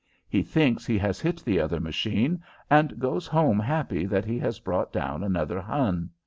He thinks he has hit the other machine and goes home happy that he has brought down another Hun.